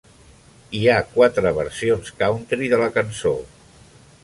Hi ha quatre versions country de la cançó.